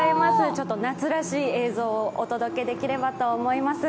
ちょっと夏らしい映像をお届けできればと思います。